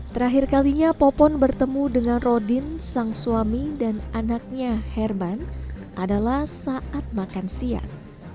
terakhir kalinya popon bertemu dengan rodin sang suami dan anaknya herman adalah saat makan siang